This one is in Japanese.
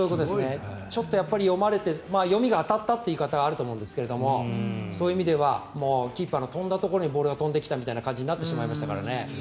ちょっと読まれて読みが当たったっていう言い方があると思うんですがそういう意味ではキーパーの飛んだところに飛んできたという感じになりましたからね。